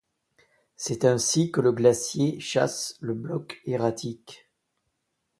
C’est ainsi que le glacier chasse le bloc erratique.